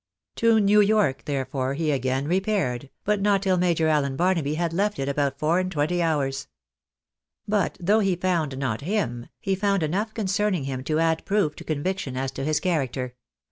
To New York, therefore, he again repaired, but not till Major Allen Barnaby had left it about four and twenty hours. But though he found not him, he found enough concerning him to add proof to conviction as to his character.